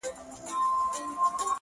نه لري هيـڅ نــنــــگ؛